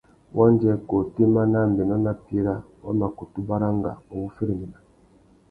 Wandjê, kā otémá, nà ambénô nà píra wa mà kutu baranga u wu féréména.